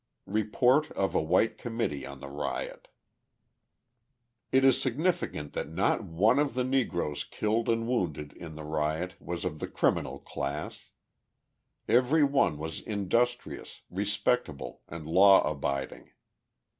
Report of a White Committee on the Riot It is significant that not one of the Negroes killed and wounded in the riot was of the criminal class. Every one was industrious, respectable and law abiding.